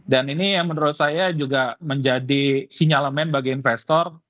dan ini yang menurut saya juga menjadi sinyalemen bagi investor